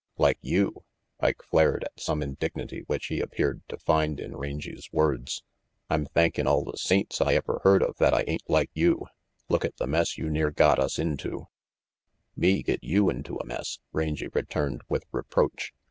"Like you?" Ike flared at some indignity which he appeared to find in Rangy's words. "I'm thankin' all the saints I ever heard of that I ain't like you. Look at the mess you near got us into "Me get you into a mess," Rangy returned with reproach.